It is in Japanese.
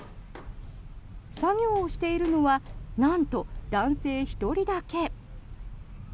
作業をしているのはなんと男性１人だけ。